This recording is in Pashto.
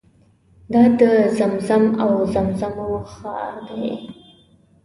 دا د زمزم او زمزمو ښار دی.